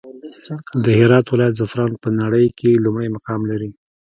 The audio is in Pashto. د هرات ولايت زعفران په نړى کې لومړى مقام لري.